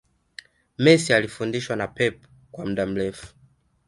Messi amefundishwa na pep kwa muda mrefu